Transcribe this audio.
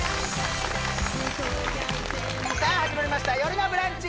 さあ始まりました「よるのブランチ」